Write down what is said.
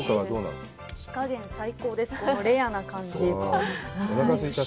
火加減、最高です、このレアな感じ。